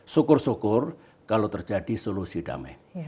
syukur syukur kalau terjadi solusi damai